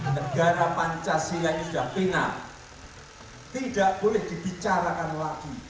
negara pancasila ini sudah final tidak boleh dibicarakan lagi